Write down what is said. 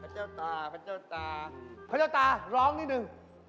เจ้าตาพระเจ้าตาพระเจ้าตาร้องนิดนึง